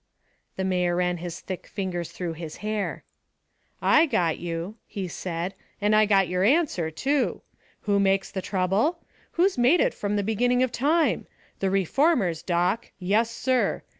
The mayor ran his thick fingers through his hair. "I got you," he said, "and I got your answer, too. Who makes the trouble? Who's made it from the beginning of time? The reformers, Doc. Yes, sir.